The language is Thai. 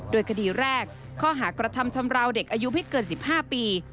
โดยคดีแรกข้อหากระทำชำราวเด็กอายุไม่เกิน๑๕ปี